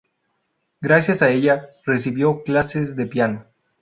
Gracias a ella, recibió clases de piano.